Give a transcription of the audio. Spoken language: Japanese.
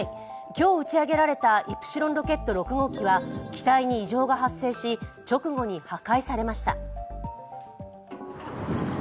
今日打ち上げられたイプシロンロケット６号機は、機体に異常が発生し直後に破壊されました。